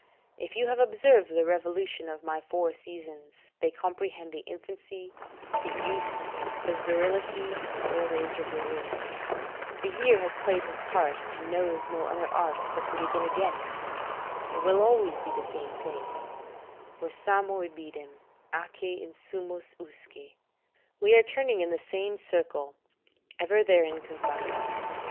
If you have observed the revolution of my four seasons, they comprehend the infancy, the youth, the virility, and the old age of the world: the year has played his part, and knows no other art but to begin again; it will always be the same thing: "'Versamur ibidem, atque insumus usque.' ["We are turning in the same circle, ever therein confined."